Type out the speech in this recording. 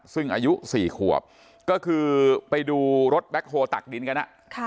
ซึ่งอายุ๔ขวบก็คือไปดูรถแบ็คโฮลตักดินกัน